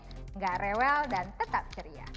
tidak rewel dan tetap ceria